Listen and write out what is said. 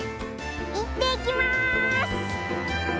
いってきます！